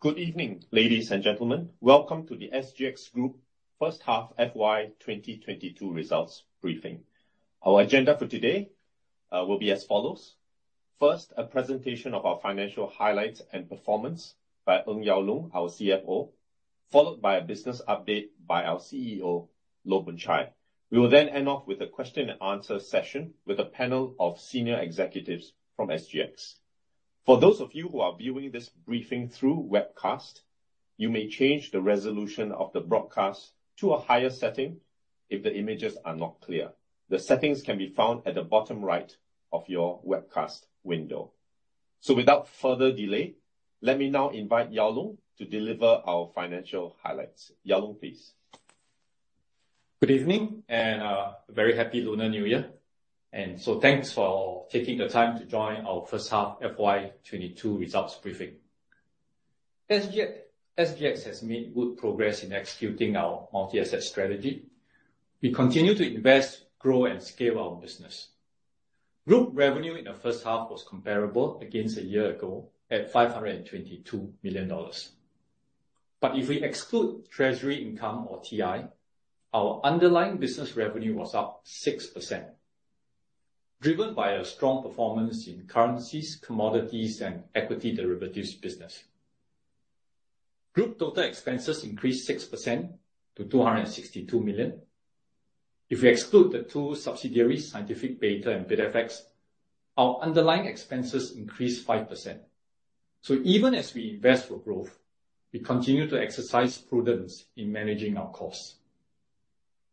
Good evening, ladies and gentlemen. Welcome to the SGX Group First Half FY 2022 Results Briefing. Our agenda for today will be as follow. First, a presentation of our financial highlights and performance by Ng Yao Loong, our CFO, followed by a business update by our CEO, Loh Boon Chye. We will then end off with a question and answer session with a panel of senior executives from SGX. For those of you who are viewing this briefing through webcast, you may change the resolution of the broadcast to a higher setting if the images are not clear. The settings can be found at the bottom right of your webcast window. Without further delay, let me now invite Ng Yao Loong to deliver our financial highlights. Ng Yao Loong, pleas. Good evening and, a very happy Lunar New Year. Thanks for taking the time to join our first half FY 2022 results briefing. SGX has made good progress in executing our multi-asset strategy. We continue to invest, grow, and scale our business. Group revenue in the first half was comparable against a year ago at 522 million dollars. If we exclude treasury income or TI, our underlying business revenue was up 6%, driven by a strong performance in currencies, commodities and equity derivatives business. Group total expenses increased 6% to 262 million. If you exclude the two subsidiaries, Scientific Beta and BidFX, our underlying expenses increased 5%. Even as we invest for growth, we continue to exercise prudence in managing our costs.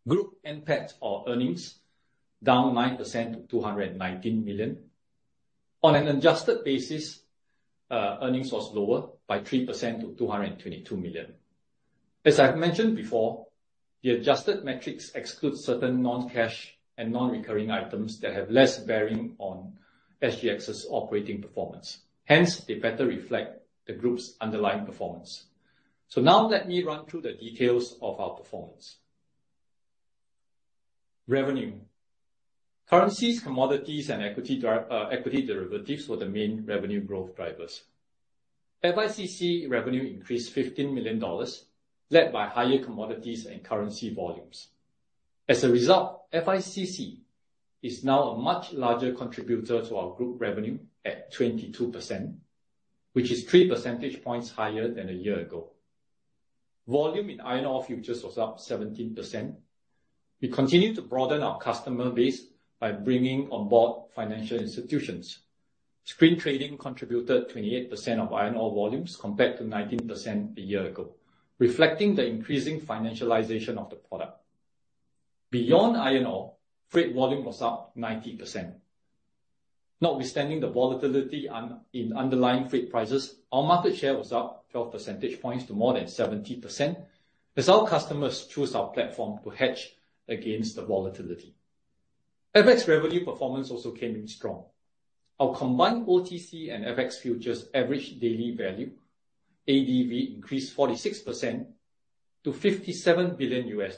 Group NPAT or earnings down 9% to 219 million. On an adjusted basis, earnings was lower by 3% to 222 million. As I've mentioned before, the adjusted metrics exclude certain non-cash and non-recurring items that have less bearing on SGX's operating performance hence they better reflect the group's underlying performance. Now let me run through the details of our performance. Revenue. Currencies, commodities and equity derivatives were the main revenue growth drivers. FICC revenue increased SGD 15 million, led by higher commodities and currency volumes. As a result, FICC is now a much larger contributor to our group revenue at 22%, which is three percentage points higher than a year ago. Volume in iron ore futures was up 17%. We continue to broaden our customer base by bringing on board financial institutions. Screen trading contributed 28% of iron ore volumes compared to 19% a year ago, reflecting the increasing financialization of the product. Beyond iron ore, freight volume was up 90%. Notwithstanding the volatility in underlying freight prices, our market share was up 12 percentage points to more than 70% as our customers choose our platform to hedge against the volatility. FX revenue performance also came in strong. Our combined OTC and FX futures Average Daily Value, ADV, increased 46% to $57 billion.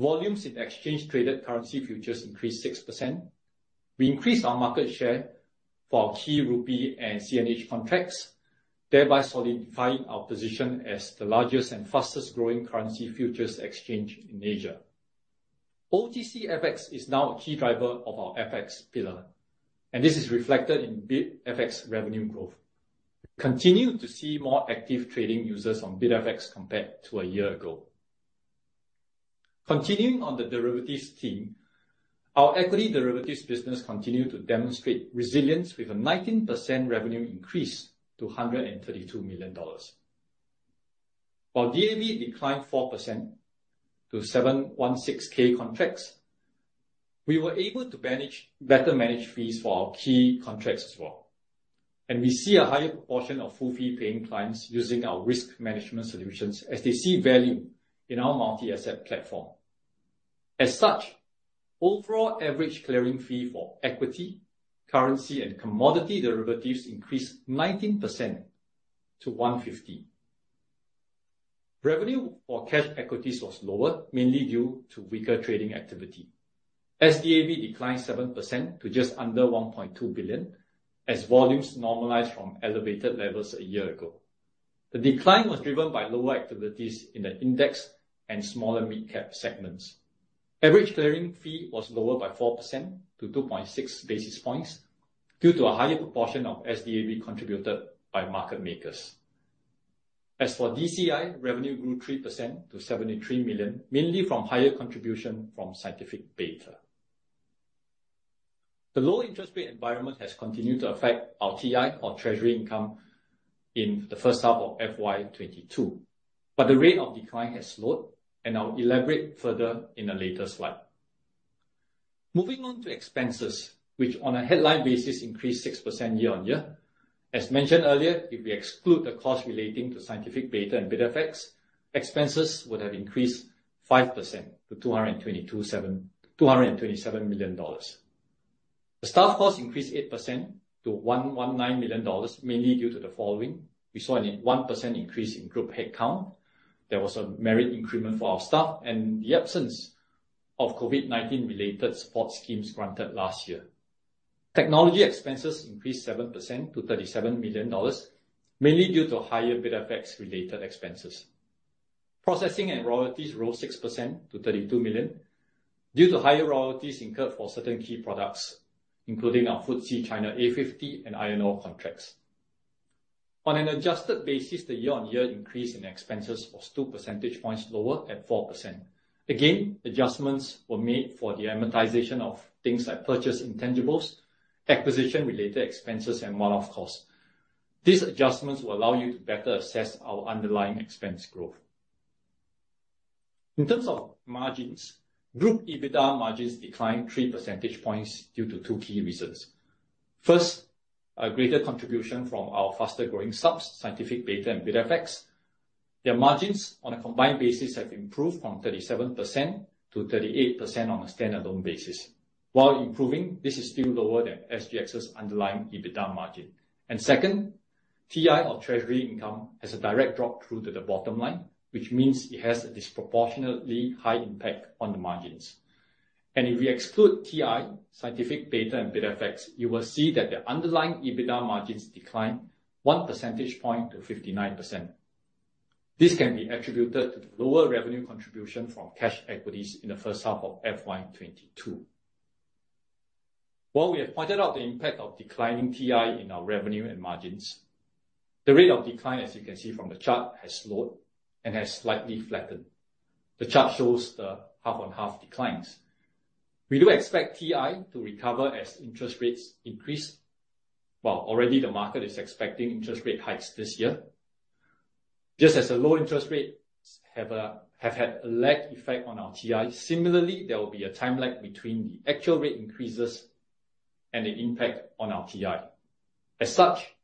Volumes in exchange traded currency futures increased 6%. We increased our market share for our key rupee and CNH contracts, thereby solidifying our position as the largest and fastest growing currency futures exchange in Asia. OTCFX is now a key driver of our FX pillar and this is reflected in BidFX revenue growth. Continue to see more active trading users on BidFX compared to a year ago. Continuing on the derivatives theme, our equity derivatives business continue to demonstrate resilience with a 19% revenue increase to 132 million dollars. While ADV declined 4% to 716k contracts, we were able to manage, better manage fees for our key contracts as well. We see a higher proportion of full fee paying clients using our risk management solutions as they see value in our multi-asset platform. As such, overall average clearing fee for equity, currency and commodity derivatives increased 19% to 150. Revenue for cash equities was lower, mainly due to weaker trading activity. SDAV declined 7% to just under 1.2 billion as volumes normalized from elevated levels a year ago. The decline was driven by lower activities in the index and smaller mid-cap segments. Average clearing fee was lower by 4% to 2.6 basis points due to a higher proportion of SDAV contributed by market makers. As for DCI, revenue grew 3% to 73 million, mainly from higher contribution from Scientific Beta. The low interest rate environment has continued to affect our TI or Treasury Income in the first half of FY 2022, but the rate of decline has slowed, and I'll elaborate further in a later slide. Moving on to expenses, which on a headline basis increased 6% year-on-year. As mentioned earlier, if we exclude the cost relating to Scientific Beta and BidFX, expenses would have increased 5% to 227 million dollars. Staff costs increased 8% to 119 million dollars mainly due to the following. We saw a 1% increase in group headcount. There was a merit increment for our staff and the absence of COVID-19 related support schemes granted last year. Technology expenses increased 7% to 37 million dollars, mainly due to higher BidFX related expenses. Processing and royalties rose 6% to 32 million due to higher royalties incurred for certain key products including our FTSE China A50 and iron ore contracts. On an adjusted basis, the year-on-year increase in expenses was two percentage points lower at 4%. Again, adjustments were made for the amortization of things like purchase intangibles, acquisition related expenses and one-off costs. These adjustments will allow you to better assess our underlying expense growth. In terms of margins, group EBITDA margins declined three percentage points due to two key reasons. First, a greater contribution from our faster-growing subs, Scientific Beta and BidFX. Their margins on a combined basis have improved from 37% to 38% on a stand-alone basis. While improving, this is still lower than SGX's underlying EBITDA margin. Second, TI or Treasury Income has a direct drop through to the bottom line which means it has a disproportionately high impact on the margins. If we exclude TI, Scientific Beta, and BidFX, you will see that the underlying EBITDA margins declined one percentage point to 59%. This can be attributed to the lower revenue contribution from cash equities in the first half of FY 2022. While we have pointed out the impact of declining TI in our revenue and margins, the rate of decline as you can see from the chart, has slowed and has slightly flattened. The chart shows the half-on-half declines. We do expect TI to recover as interest rates increase while already the market is expecting interest rate hikes this year. Just as the low interest rates have had a lag effect on our TI, similarly, there will be a time lag between the actual rate increases and the impact on our TI. As such,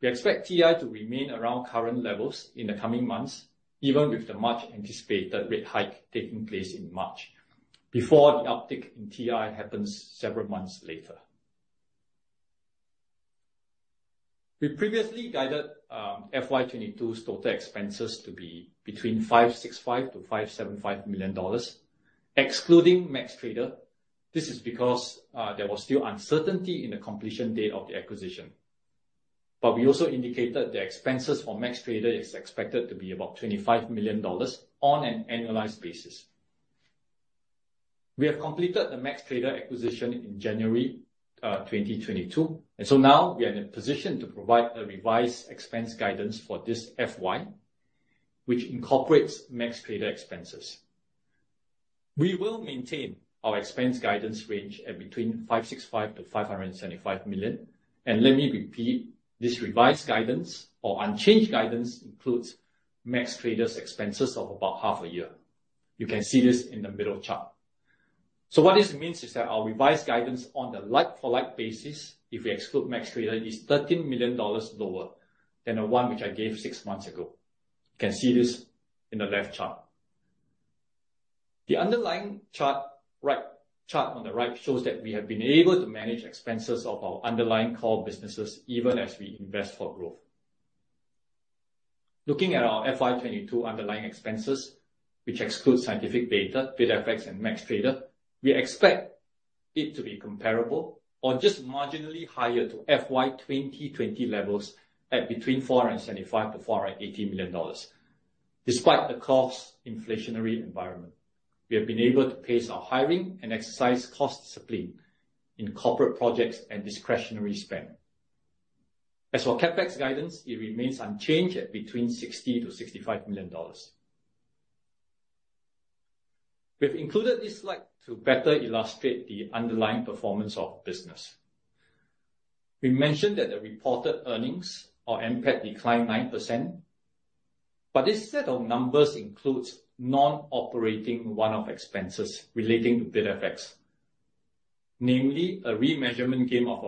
we expect TI to remain around current levels in the coming months even with the much-anticipated rate hike taking place in March before the uptick in TI happens several months later. We previously guided FY 2022's total expenses to be between 565 million to 575 million dollars, excluding MaxxTrader. This is because there was still uncertainty in the completion date of the acquisition. We also indicated the expenses for MaxxTrader is expected to be about 25 million dollars on an annualized basis. We have completed the MaxxTrader acquisition in January 2022, and so now we are in a position to provide a revised expense guidance for this FY which incorporates MaxxTrader expenses. We will maintain our expense guidance range at between 565 million to 575 million. Let me repeat, this revised guidance or unchanged guidance includes MaxxTrader's expenses of about half a year. You can see this in the middle chart. What this means is that our revised guidance on the like-for-like basis, if we exclude MaxxTrader, is 13 million dollars lower than the one which I gave six months ago. You can see this in the left chart. The underlying chart, right, chart on the right shows that we have been able to manage expenses of our underlying core businesses even as we invest for growth. Looking at our FY 2022 underlying expenses which excludes Scientific Beta, BidFX, and MaxxTrader, we expect it to be comparable or just marginally higher to FY 2020 levels at between 475 million to 480 million dollars. Despite the cost inflationary environment, we have been able to pace our hiring and exercise cost discipline in corporate projects and discretionary spend. As for CapEx guidance, it remains unchanged at between 60 million to 65 million dollars. We have included this slide to better illustrate the underlying performance of business. We mentioned that the reported earnings or NPAT declined 9%, but this set of numbers includes non-operating one-off expenses relating to BidFX, namely a remeasurement gain of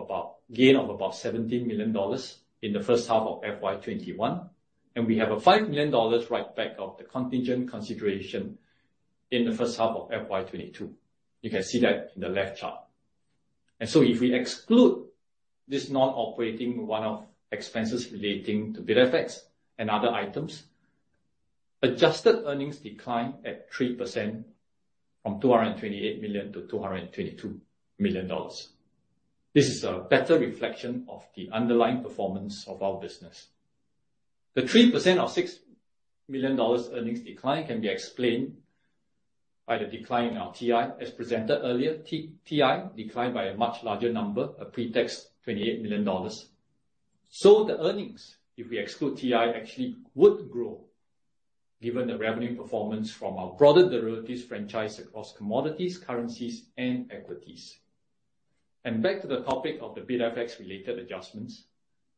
about 17 million dollars in the first half of FY 2021, and we have a five million dollars writeback of the contingent consideration in the first half of FY 2022. You can see that in the left chart. If we exclude this non-operating one-off expenses relating to BidFX and other items, adjusted earnings decline at 3% from 228 million to 222 million dollars. This is a better reflection of the underlying performance of our business. The 3% or 6 million dollars earnings decline can be explained by the decline in our TI. As presented earlier, TI declined by a much larger number, a pre-tax 28 million dollars. The earnings, if we exclude TI, actually would grow given the revenue performance from our broader derivatives franchise across commodities, currencies, and equities. Back to the topic of the BidFX related adjustments.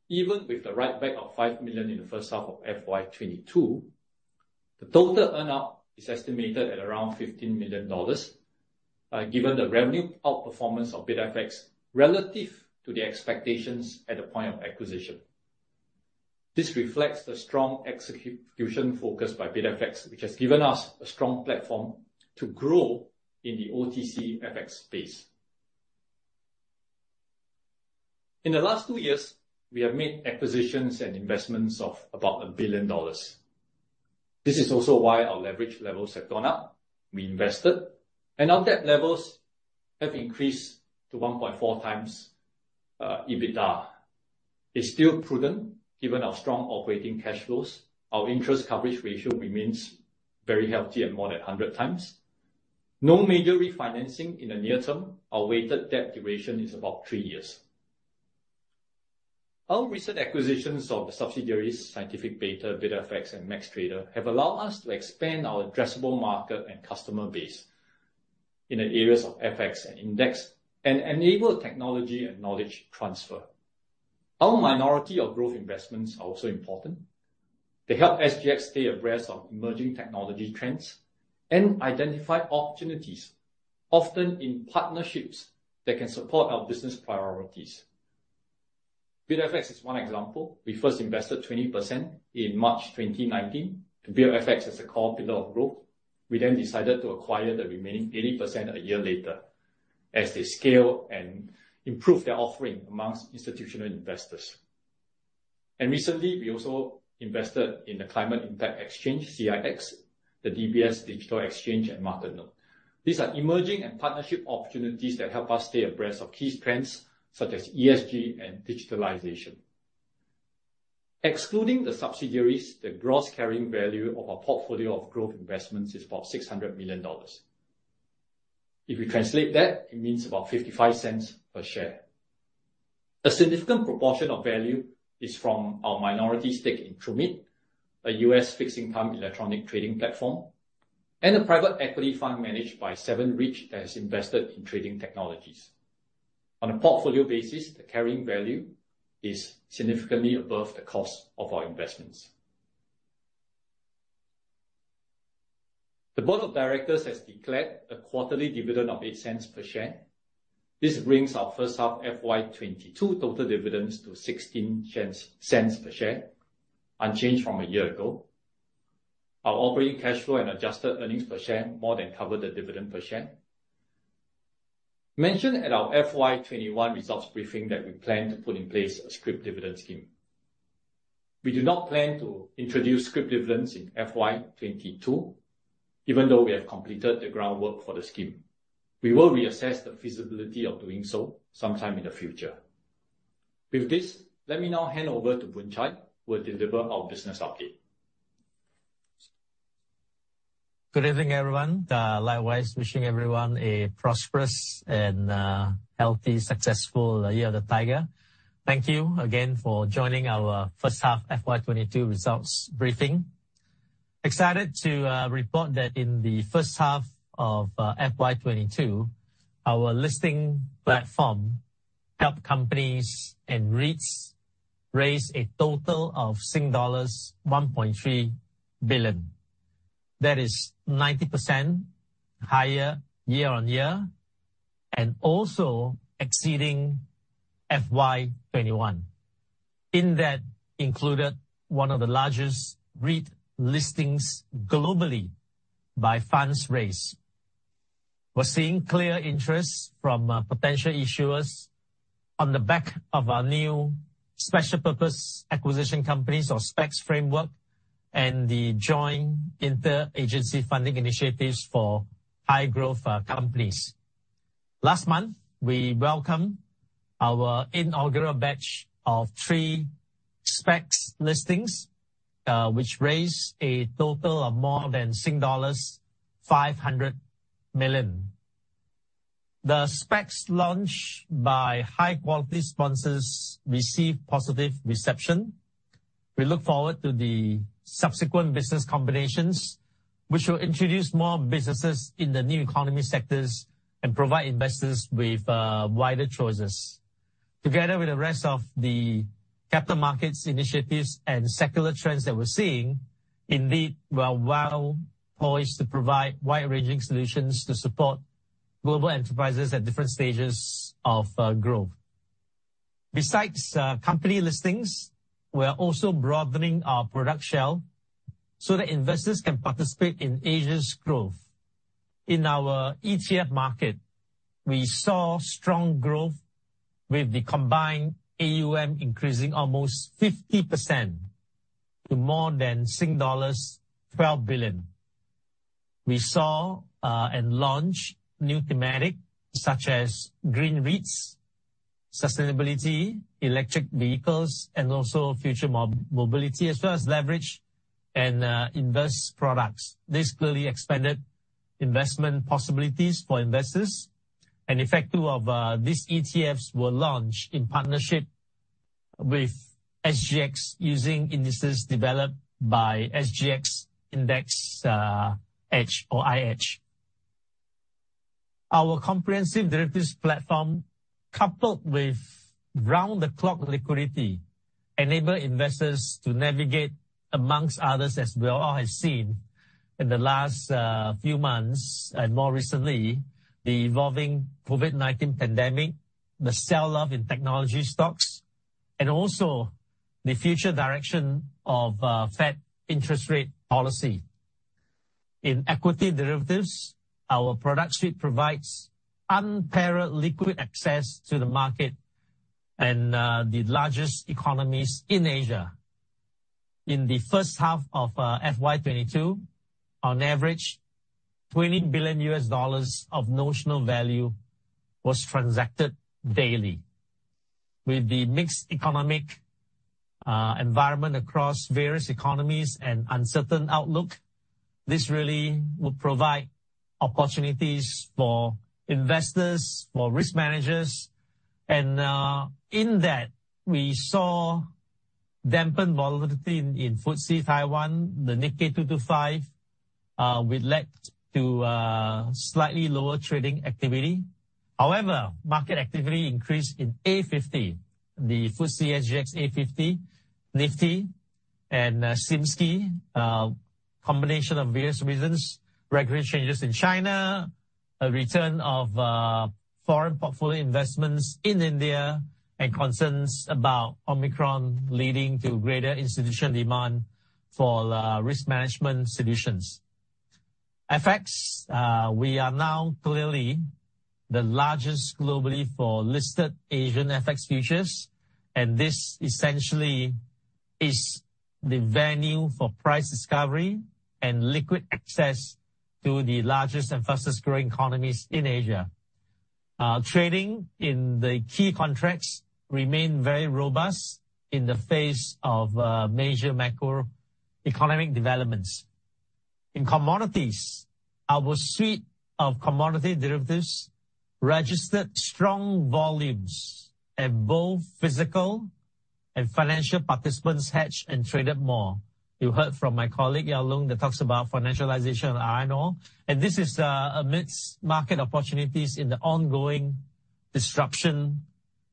Even with the writeback of 5 million in the first half of FY 2022, the total earn out is estimated at around 15 million dollars, given the revenue outperformance of BidFX relative to the expectations at the point of acquisition. This reflects the strong execution focus by BidFX, which has given us a strong platform to grow in the OTC FX space. In the last two years, we have made acquisitions and investments of about 1 billion dollars. This is also why our leverage levels have gone up. We invested, and our debt levels have increased to 1.4 times EBITDA. It's still prudent, given our strong operating cash flows. Our interest coverage ratio remains very healthy at more than 100 times. No major refinancing in the near term. Our weighted debt duration is about three years. Our recent acquisitions of the subsidiaries, Scientific Beta, BidFX, and MaxxTrader, have allowed us to expand our addressable market and customer base in the areas of FX and index, and enable technology and knowledge transfer. Our minority of growth investments are also important. They help SGX stay abreast of emerging technology trends and identify opportunities often in partnerships that can support our business priorities. BidFX is one example. We first invested 20% in March 2019. BidFX is a core pillar of growth. We then decided to acquire the remaining 80% a year later as they scale and improve their offering among institutional investors. Recently, we also invested in the Climate Impact X, CIX, the DBS Digital Exchange, and Marketnode. These are emerging and partnership opportunities that help us stay abreast of key trends such as ESG and digitalization. Excluding the subsidiaries, the gross carrying value of our portfolio of growth investments is about 600 million dollars. If we translate that, it means about 0.55 per share. A significant proportion of value is from our minority stake in Trumid, a US fixed income electronic trading platform and a private equity fund managed by 7RIDGE that has invested in trading technologies. On a portfolio basis, the carrying value is significantly above the cost of our investments. The board of directors has declared a quarterly dividend of 0.08 per share. This brings our first half FY 2022 total dividends to 0.16 per share, unchanged from a year ago. Our operating cash flow and adjusted earnings per share more than cover the dividend per share. We mentioned at our FY 2021 results briefing that we plan to put in place a scrip dividend scheme. We do not plan to introduce scrip dividends in FY 2022, even though we have completed the groundwork for the scheme. We will reassess the feasibility of doing so sometime in the future. With this, let me now hand over to Boon Chye, who will deliver our business update. Good evening, everyone. Likewise, wishing everyone a prosperous and healthy, successful year of the Tiger. Thank you again for joining our first half FY 2022 results briefing. Excited to report that in the first half of FY 2022, our listing platform helped companies and REITs raise a total of Sing dollars 1.3 billion. That is 90% higher year-on-year, and also exceeding FY 2021. That included one of the largest REIT listings globally by funds raised. We're seeing clear interest from potential issuers on the back of our new special purpose acquisition companies or SPACs framework and the joint inter-agency funding initiatives for high growth companies. Last month, we welcomed our inaugural batch of three SPACs listings, which raised a total of more than dollars 500 million. The specs launched by high quality sponsors received positive reception. We look forward to the subsequent business combinations which will introduce more businesses in the new economy sectors and provide investors with wider choices. Together with the rest of the capital markets initiatives and secular trends that we're seeing, indeed we're well-poised to provide wide-ranging solutions to support global enterprises at different stages of growth. Besides company listings, we are also broadening our product shelf so that investors can participate in Asia's growth. In our ETF market, we saw strong growth with the combined AUM increasing almost 50% to more than dollars 12 billion. We saw and launched new themes such as green REITs, sustainability, electric vehicles, and also future mobility, as well as leveraged and inverse products. This clearly expanded investment possibilities for investors. In fact, two of these ETFs were launched in partnership with SGX using indices developed by SGX Indices, H or IH. Our comprehensive derivatives platform, coupled with round-the-clock liquidity, enable investors to navigate among others as we all have seen in the last few months and more recently, the evolving COVID-19 pandemic, the sell-off in technology stocks and also the future direction of Fed interest rate policy. In equity derivatives, our product suite provides unparalleled liquid access to the market and the largest economies in Asia. In the first half of FY 2022, on average, $20 billion of notional value was transacted daily. With the mixed economic environment across various economies and uncertain outlook, this really will provide opportunities for investors, for risk managers. In that, we saw dampened volatility in FTSE Taiwan, the Nikkei 225, which led to slightly lower trading activity. However, market activity increased in A50, the FTSE SGX A50, Nifty 50, and SiMSCI. combination of various reasons, regulatory changes in China, a return of foreign portfolio investments in India, and concerns about Omicron leading to greater institutional demand for risk management solutions. FX, we are now clearly the largest globally for listed Asian FX futures and this essentially is the venue for price discovery and liquid access to the largest and fastest-growing economies in Asia. Trading in the key contracts remain very robust in the face of major macroeconomic developments. In commodities, our suite of commodity derivatives registered strong volumes and both physical and financial participants hedged and traded more. You heard from my colleague, Ng Yao Loong, that talks about financialization of iron ore and this is amidst market opportunities in the ongoing disruption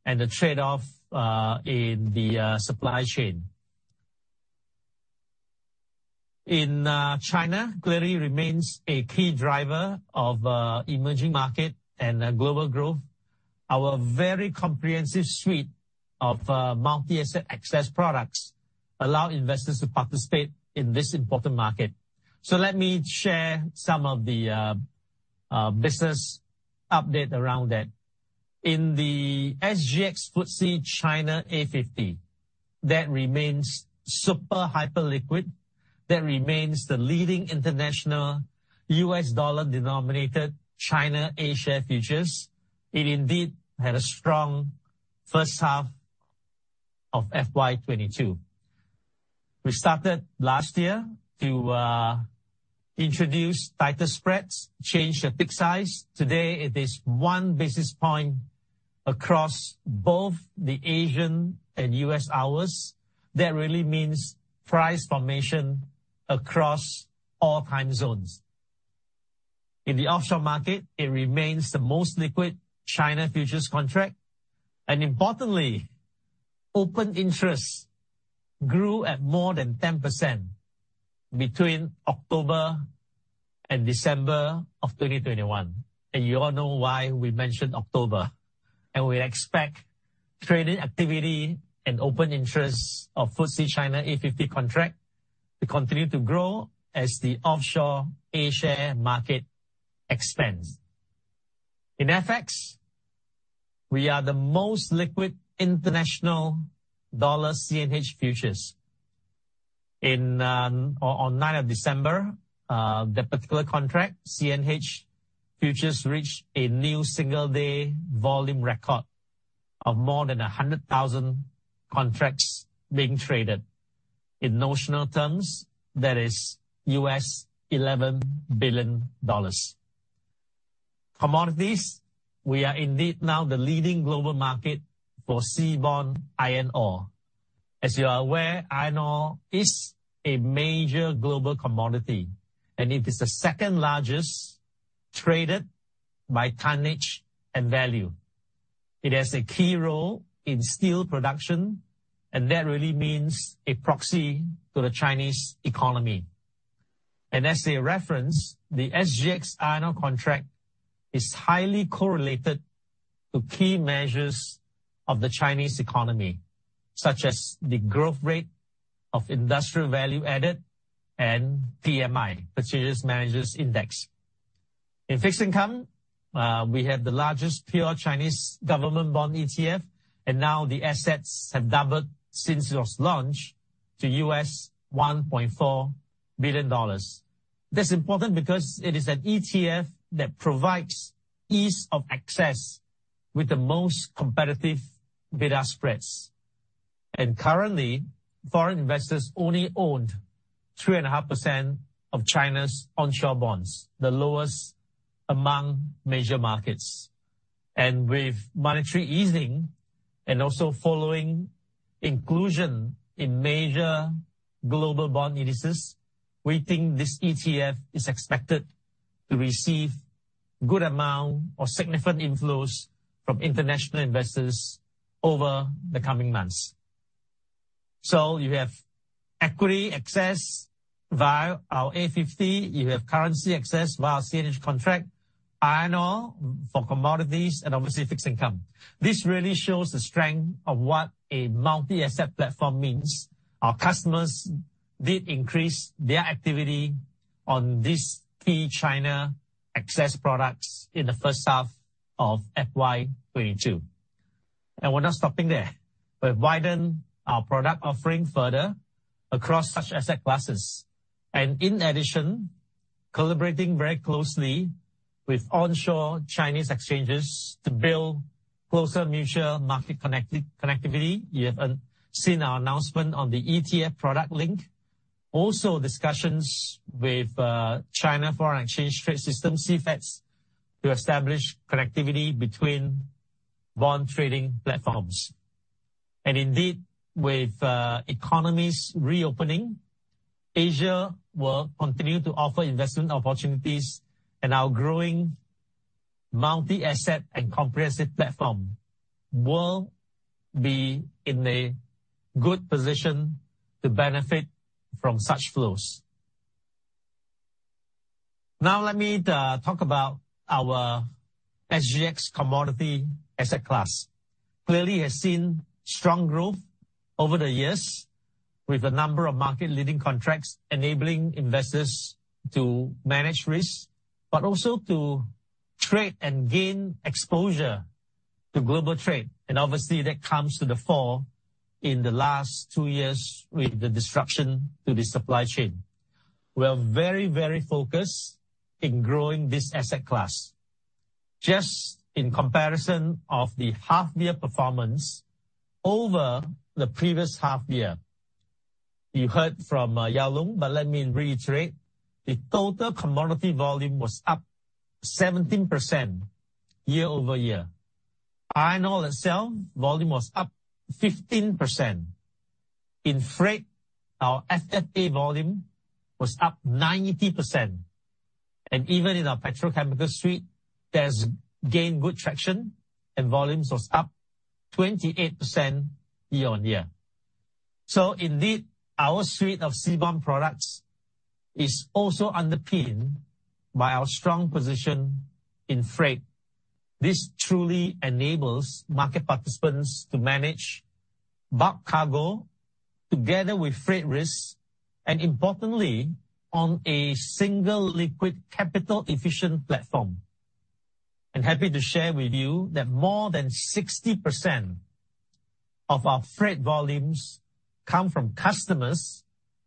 and the trade-off in the supply chain. In China, clearly remains a key driver of emerging market and global growth. Our very comprehensive suite of multi-asset access products allow investors to participate in this important market. Let me share some of the business update around that. In the SGX FTSE China A50, that remains super hyper liquid, that remains the leading international US dollar-denominated China A-share futures. It indeed had a strong first half of FY 2022. We started last year to introduce tighter spreads, change the tick size. Today it is one basis point across both the Asian and U.S. hours. That really means price formation across all time zones. In the offshore market, it remains the most liquid China futures contract. Importantly, open interest grew at more than 10% between October and December of 2021. You all know why we mentioned October. We expect trading activity and open interest of FTSE China A50 contract to continue to grow as the offshore A-share market expands. In FX, we are the most liquid international dollar CNH futures. On 9th of December 2022, that particular contract, CNH futures, reached a new single day volume record of more than 100,000 contracts being traded. In notional terms, that is $11 billion. Commodities, we are indeed now the leading global market for seaborne iron ore. As you are aware, iron ore is a major global commodity, and it is the second-largest traded by tonnage and value. It has a key role in steel production and that really means a proxy to the Chinese economy. As a reference, the SGX iron ore contract is highly correlated to key measures of the Chinese economy such as the growth rate of industrial value added and PMI, Purchasing Managers' Index. In fixed income, we have the largest pure Chinese government bond ETF, and now the assets have doubled since it was launched to $1.4 billion. That's important because it is an ETF that provides ease of access with the most competitive bid-ask spreads. Currently, foreign investors only own 3.5% of China's onshore bonds, the lowest among major markets. With monetary easing, and also following inclusion in major global bond indices, we think this ETF is expected to receive good amount or significant inflows from international investors over the coming months. You have equity access via our A50, you have currency access via our CNH contract. Iron ore for commodities and obviously fixed income. This really shows the strength of what a multi-asset platform means. Our customers did increase their activity on this key China access products in the first half of FY 2022. We're not stopping there. We've widened our product offering further across such asset classes. In addition, collaborating very closely with onshore Chinese exchanges to build closer mutual market connectivity. You have seen our announcement on the ETF product link. Also discussions with China Foreign Exchange Trade System, CFETS, to establish connectivity between bond trading platforms. Indeed, with economies reopening, Asia will continue to offer investment opportunities and our growing multi-asset and comprehensive platform will be in a good position to benefit from such flows. Now let me talk about our SGX Commodities asset class. It clearly has seen strong growth over the years with a number of market-leading contracts, enabling investors to manage risks but also to trade and gain exposure to global trade. Obviously that comes to the fore in the last two years with the disruption to the supply chain. We are very focused on growing this asset class. Just in comparison of the half-year performance over the previous half-year, you heard from Ng Yao Loong but let me reiterate, the total Commodities volume was up 17% year-over-year. Iron ore itself volume was up 15%. In freight, our FFA volume was up 90%. Even in our petrochemical suite, that has gained good traction and volumes was up 28% year-over-year. Indeed, our suite of CBOM products is also underpinned by our strong position in freight. This truly enables market participants to manage bulk cargo together with freight risks and importantly, on a single liquid capital efficient platform. I'm happy to share with you that more than 60% of our freight volumes come from customers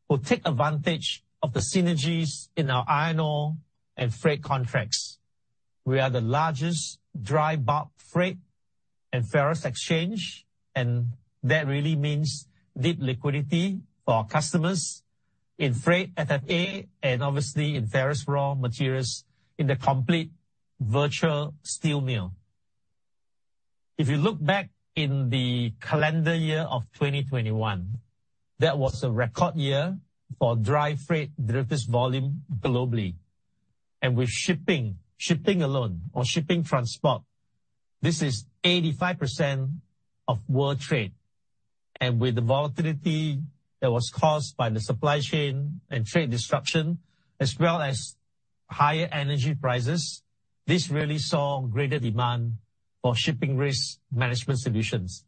who take advantage of the synergies in our iron ore and freight contracts. We are the largest dry bulk freight and ferrous exchange, and that really means deep liquidity for our customers in freight, FFA and obviously in ferrous raw materials in the complete virtual steel mill. If you look back in the calendar year of 2021, that was a record year for dry freight derivatives volume globally. With shipping alone or shipping transport, this is 85% of world trade. With the volatility that was caused by the supply chain and trade disruption as well as higher energy prices, this really saw greater demand for shipping risk management solutions.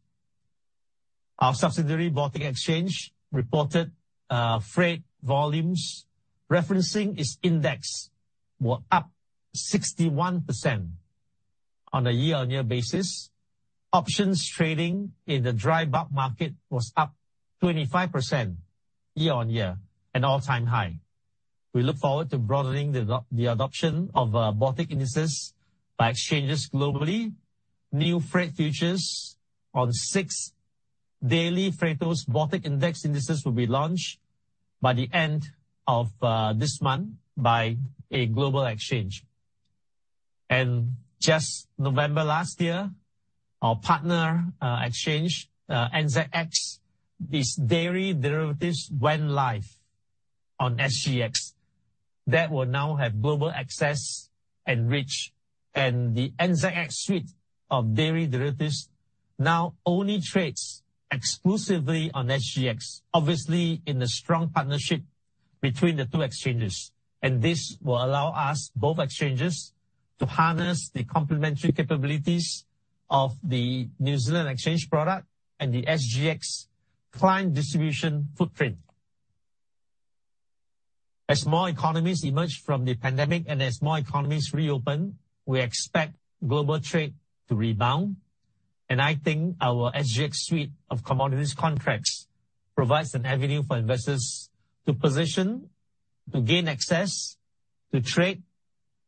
Our subsidiary, Baltic Exchange, reported freight volumes referencing its index were up 61% on a year-on-year basis. Options trading in the dry bulk market was up 25% year-on-year, an all-time high. We look forward to broadening the adoption of Baltic indices by exchanges globally. New freight futures on six new freight those Baltic indices will be launched by the end of this month by a global exchange. Just November last year, our partner exchange NZX, its dairy derivatives went live on SGX. That will now have global access and reach. The NZX suite of dairy derivatives now only trades exclusively on SGX, obviously in a strong partnership between the two exchanges. This will allow us, both exchanges, to harness the complementary capabilities of the New Zealand Exchange product and the SGX client distribution footprint. As more economies emerge from the pandemic and as more economies reopen, we expect global trade to rebound. I think our SGX suite of commodities contracts provides an avenue for investors to position, to gain access, to trade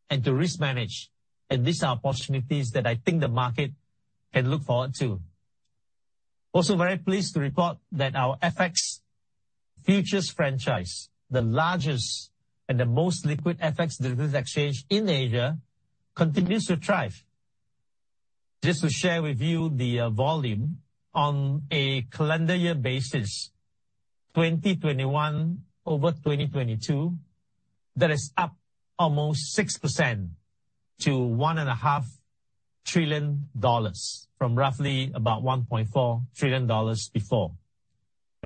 and to risk manage. These are opportunities that I think the market can look forward to. Very pleased to report that our FX futures franchise, the largest and the most liquid FX derivatives exchange in Asia, continues to thrive. Just to share with you the volume on a calendar year basis, 2021 over 2022, that is up almost 6% to 1.5 trillion dollars from roughly about 1.4 trillion dollars before.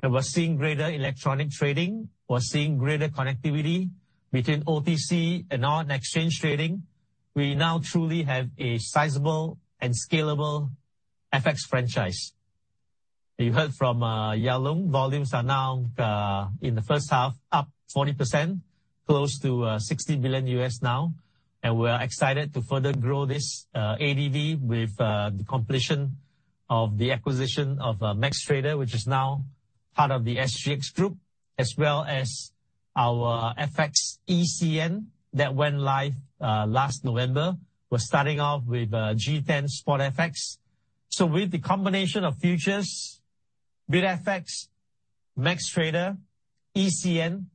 We're seeing greater electronic trading. We're seeing greater connectivity between OTC and on-exchange trading. We now truly have a sizable and scalable FX franchise. You heard from Ng Yao Loong, volumes are now in the first half, up 40% close to $60 billion now and we are excited to further grow this ADV with the completion of the acquisition of MaxxTrader, which is now part of the SGX Group as well as our FX ECN that went live last November. We're starting off with G10 Spot FX. With the combination of futures, BidFX, MaxxTrader, ECN,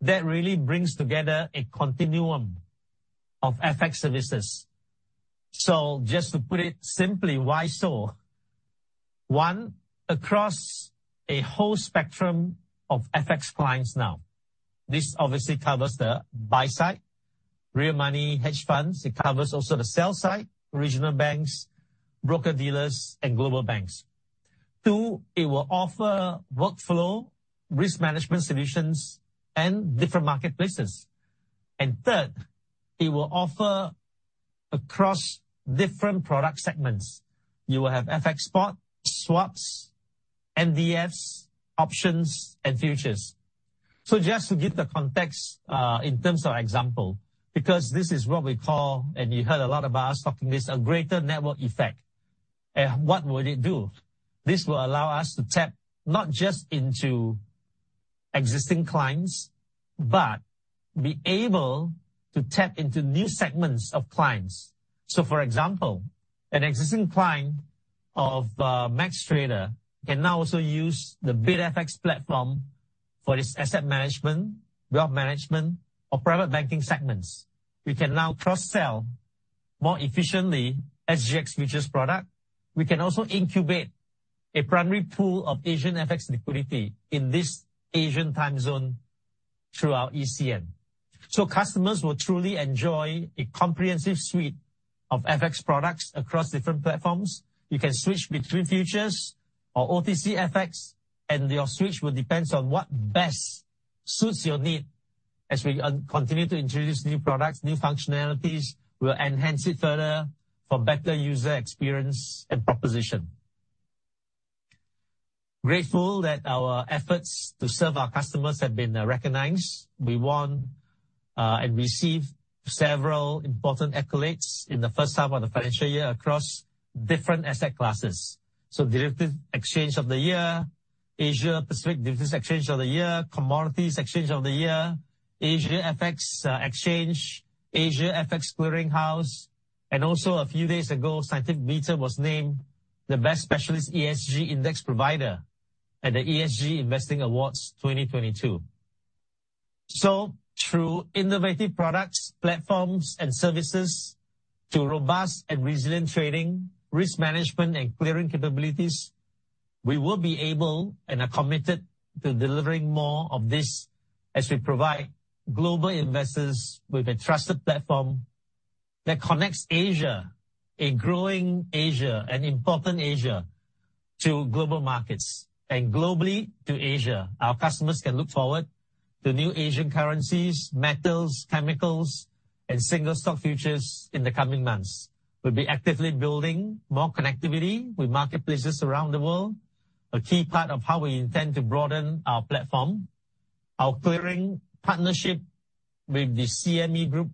that really brings together a continuum of FX services. Just to put it simply, why so? One, across a whole spectrum of FX clients now. This obviously covers the buy side, real money, hedge funds. It covers also the sell side, regional banks, broker-dealers, and global banks. Two, it will offer workflow, risk management solutions and different marketplaces. Third, it will offer across different product segments. You will have FX spot, swaps, NDFs, options and futures. Just to give the context, in terms of example, because this is what we call and you heard a lot about us talking this, a greater network effect. What would it do? This will allow us to tap not just into existing clients but be able to tap into new segments of clients. For example, an existing client of MaxxTrader can now also use the BidFX platform for its asset management, wealth management, or private banking segments. We can now cross-sell more efficiently SGX futures product. We can also incubate a primary pool of Asian FX liquidity in this Asian time zone through our ECN. Customers will truly enjoy a comprehensive suite of FX products across different platforms. You can switch between futures or OTC FX and your switch will depend on what best suits your need. As we continue to introduce new products, new functionalities, we'll enhance it further for better user experience and proposition. We are grateful that our efforts to serve our customers have been recognized. We won and received several important accolades in the first half of the financial year across different asset classes. Derivative Exchange of the Year, Asia-Pacific Derivatives Exchange of the Year, Commodities Exchange of the Year, Asia FX Exchange, Asia FX Clearing House and also a few days ago, Scientific Beta was named the best specialist ESG index provider at the ESG Investing Awards 2022. Through innovative products, platforms and services to robust and resilient trading, risk management, and clearing capabilities, we will be able and are committed to delivering more of this as we provide global investors with a trusted platform that connects Asia, a growing Asia, an important Asia, to global markets, and globally to Asia. Our customers can look forward to new Asian currencies, metals, chemicals and single stock futures in the coming months. We'll be actively building more connectivity with marketplaces around the world, a key part of how we intend to broaden our platform. Our clearing partnership with the CME Group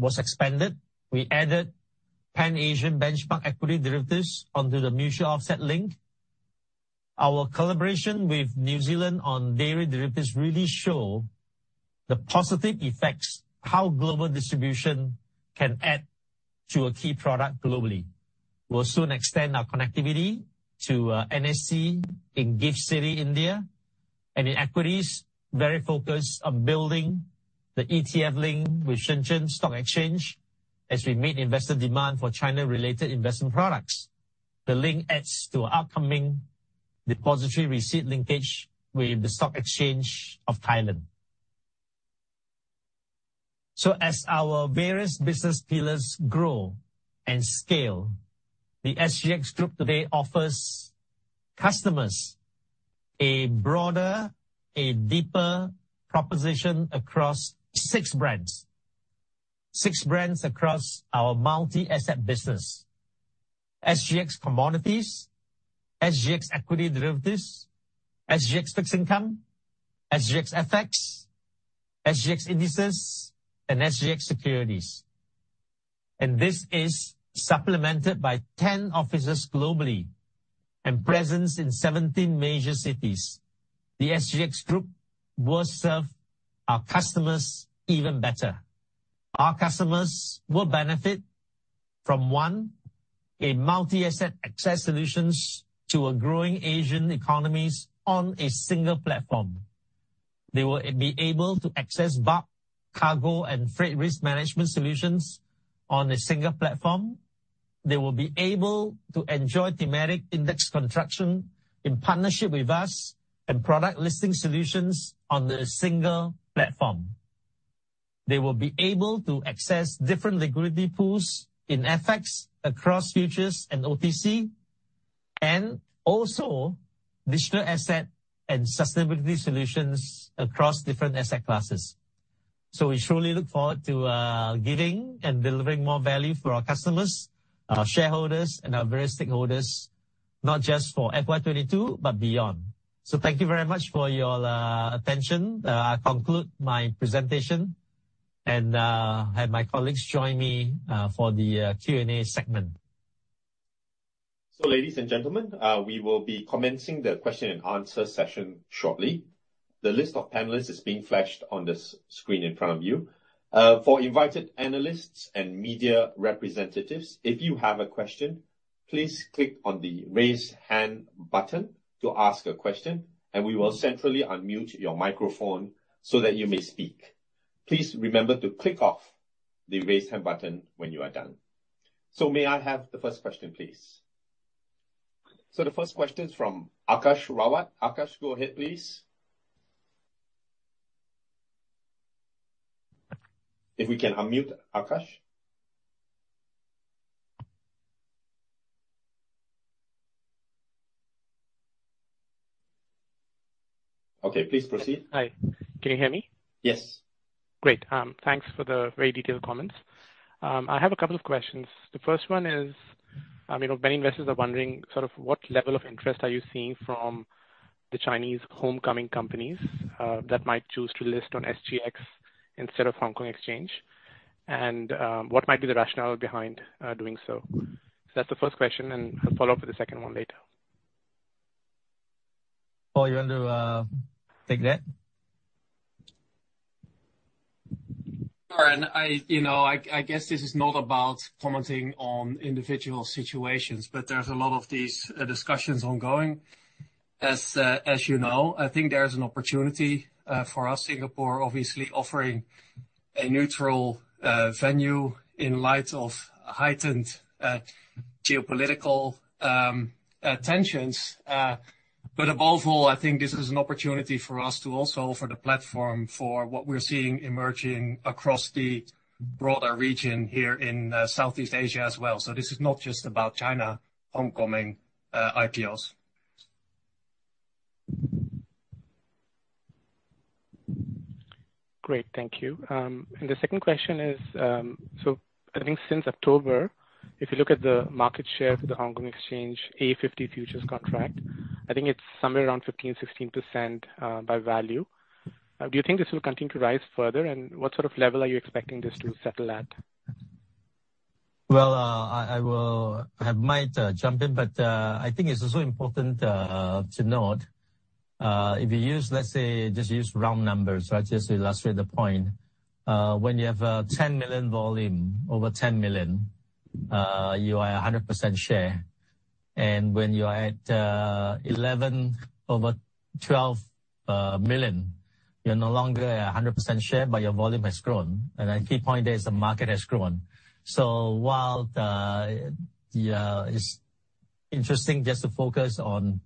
was expanded. We added Pan-Asia Benchmark Equity Derivatives onto the mutual offset link. Our collaboration with New Zealand on dairy derivatives really show the positive effects how global distribution can add to a key product globally. We'll soon extend our connectivity to NSE in GIFT City, India. In equities, very focused on building the ETF link with Shenzhen Stock Exchange as we meet investor demand for China-related investment products. The link adds to our upcoming depository receipt linkage with the Stock Exchange of Thailand. As our various business pillars grow and scale, the SGX Group today offers customers a broader, a deeper proposition across six brands. Six brands across our multi-asset business. SGX Commodities, SGX Equity Derivatives, SGX Fixed Income, SGX FX, SGX Indices and SGX Securities. This is supplemented by 10 offices globally and presence in 17 major cities. The SGX Group will serve our customers even better. Our customers will benefit from, one, a multi-asset access solutions to a growing Asian economies on a single platform. They will be able to access bulk cargo and freight risk management solutions on a single platform. They will be able to enjoy thematic index construction in partnership with us and product listing solutions on the single platform. They will be able to access different liquidity pools in FX across futures and OTC, and also digital asset and sustainability solutions across different asset classes. We surely look forward to giving and delivering more value for our customers, our shareholders and our various stakeholders not just for FY 2022, but beyond. Thank you very much for your attention. I conclude my presentation and have my colleagues join me for the Q&A segment. Ladies and gentlemen, we will be commencing the question and answer session shortly. The list of panelists is being flashed on the screen in front of you. For invited analysts and media representatives, if you have a question, please click on the Raise Hand button to ask a question and we will centrally unmute your microphone so that you may speak. Please remember to click off the Raise Hand button when you are done. May I have the first question, please? The first question is from Aakash Rawat. Aakash, go ahead please. If you can unmute Aakash. Okay, please proceed. Hi. Can you hear me? Yes. Great. Thanks for the very detailed comments. I have a couple of questions. The first one is, you know, many investors are wondering what level of interest are you seeing from the Chinese homecoming companies that might choose to list on SGX instead of Hong Kong Exchange? And, what might be the rationale behind doing so? That's the first question, and I'll follow up with the second one later. Pol, you want to take that? I you know guess this is not about commenting on individual situations but there's a lot of these discussions ongoing. As you know, I think there is an opportunity for us, Singapore obviously offering a neutral venue in light of heightened geopolitical tensions. Above all, I think this is an opportunity for us to also offer the platform for what we're seeing emerging across the broader region here in Southeast Asia as well. This is not just about China homecoming IPOs. Great. Thank you. The second question is, I think since October, if you look at the market share for the Hong Kong Exchange A50 futures contract, I think it's somewhere around 15%/16% by value. Do you think this will continue to rise further and what sort of level are you expecting this to settle at? Well, I might jump in, but I think it's also important to note if you use, let's say, just use round numbers, right? Just to illustrate the point. When you have 10 million volume, over 10 million, you are 100% share. When you are at 11 over 12 million, you're no longer 100% share but your volume has grown. A key point there is the market has grown. While it's interesting just to focus on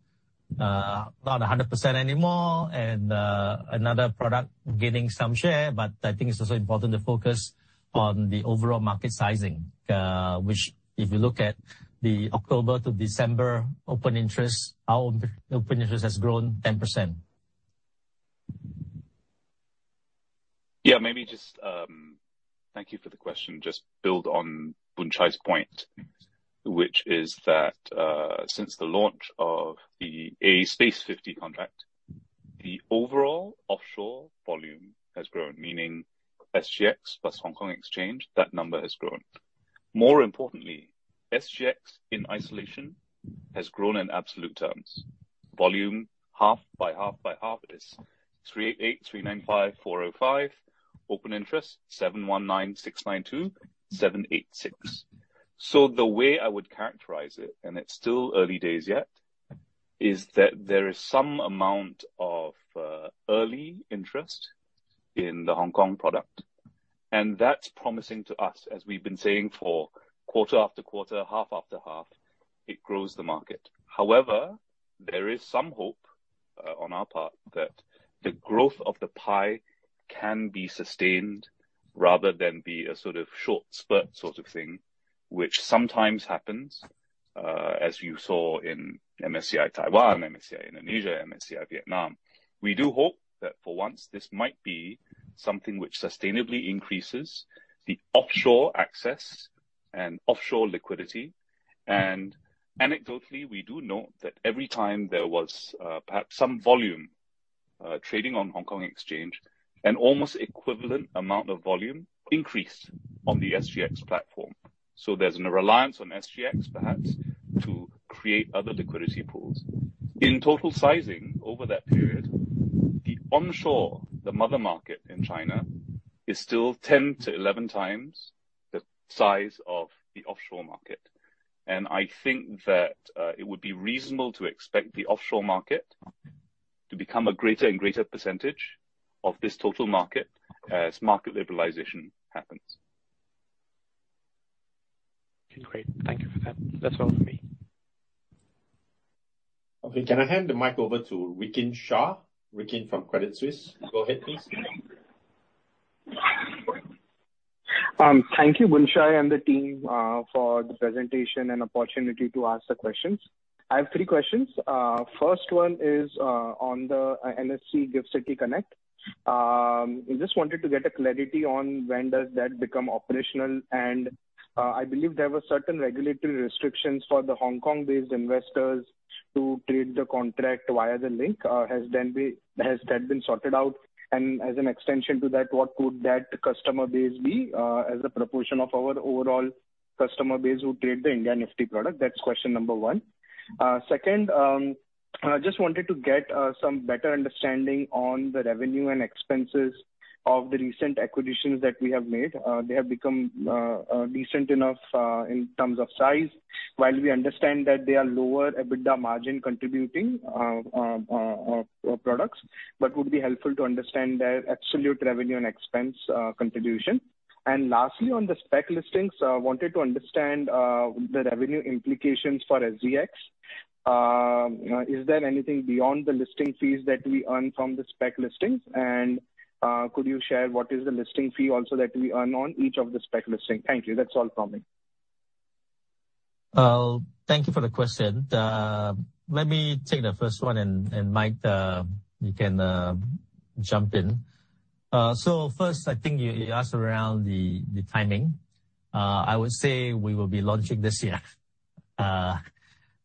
not 100% anymore and another product gaining some share, I think it's also important to focus on the overall market sizing. Which if you look at the October to December open interest, our open interest has grown 10%. Yeah, maybe just. Thank you for the question. Just build on Loh Boon Chye's point, which is that since the launch of the A50 contract, the overall offshore volume has grown meaning SGX plus Hong Kong Exchange, that number has grown. More importantly, SGX in isolation has grown in absolute terms. Volume half by half by half. It is 388, 395, 405. Open interest, 719, 692, 786. So the way I would characterize it and it's still early days yet, is that there is some amount of early interest in the Hong Kong product and that's promising to us. As we've been saying for quarter after quarter, half after half, it grows the market. However, there is some hope on our part that the growth of the pie can be sustained rather than be a short spurt sort of thing, which sometimes happens, as you saw in MSCI Taiwan, MSCI Indonesia, MSCI Vietnam. We do hope that for once this might be something which sustainably increases the offshore access and offshore liquidity. Anecdotally, we do note that every time there was perhaps some volume trading on Hong Kong Exchange, an almost equivalent amount of volume increased on the SGX platform. There's a reliance on SGX perhaps to create other liquidity pools. In total sizing over that period, the onshore, the mother market in China, is still 10 to 11 times the size of the offshore market. I think that it would be reasonable to expect the offshore market to become a greater and greater percentage of this total market as market liberalization happens. Great. Thank you for that. That's all for me. Okay. Can I hand the mic over to Rikin Shah? Rikin from Credit Suisse. Go ahead, please. Thank you, Loh Boon Chye and the team, for the presentation and opportunity to ask the questions. I have three questions. First one is on the NSE IFSC-SGX GIFT Connect. We just wanted to get a clarity on when does that become operational and I believe there were certain regulatory restrictions for the Hong Kong-based investors to trade the contract via the link. Has that been sorted out? And as an extension to that, what could that customer base be as a proportion of our overall customer base who trade the India Nifty product? That's question number one. Second, I just wanted to get some better understanding on the revenue and expenses of the recent acquisitions that we have made. They have become decent enough in terms of size. While we understand that they are lower EBITDA margin contributing products but would be helpful to understand their absolute revenue and expense contribution. Lastly, on the SPAC listings, I wanted to understand the revenue implications for SGX. Is there anything beyond the listing fees that we earn from the SPAC listings? Could you share what is the listing fee also that we earn on each of the SPAC listing? Thank you. That's all from me. Thank you for the question. Let me take the first one, and Mike, you can jump in. So first, I think you asked around the timing. I would say we will be launching this year. That